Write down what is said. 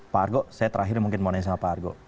pak argo saya terakhir mungkin mau nanya sama pak argo